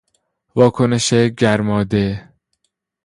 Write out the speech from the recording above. واکنش گرماده